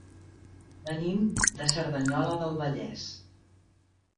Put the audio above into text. Venim de Cerdanyola del Vallès.